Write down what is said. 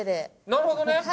なるほどね。